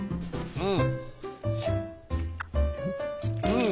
うん。